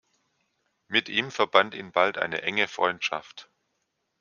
Mit ihm verband ihn bald eine enge Freundschaft.